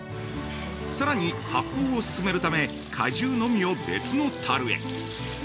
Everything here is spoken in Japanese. さらに発酵を進めるため果汁のみを別の樽へ！